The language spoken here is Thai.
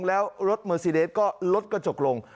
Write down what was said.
แล้วรถเมอร์ซีเดสก็ลดกระจกลง